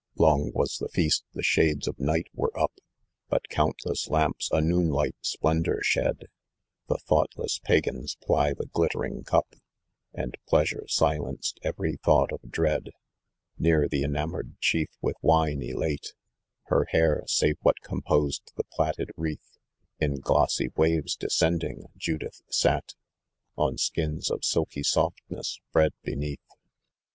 5 20 Ixng was the feast, the shades of night were up, Bat countless lamps a noon light splendour shed, The thoughtless pagans ply the glittering cup, And pleasure silenced every thought of dread, Near the enamoured chief with wine elate t Her hair, save what composed the platted wreath, In glossy waves descending, Judith sate On skins of silky softness spread beneath.